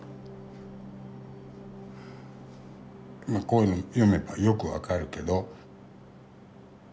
こういうの読めばよく分かるけど。